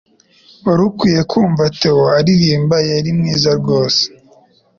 Wari ukwiye kumva Theo aririmba Yari mwiza rwose